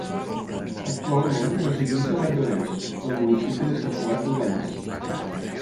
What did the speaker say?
Actualment resideix a Valldoreix, al municipi de Sant Cugat del Vallès.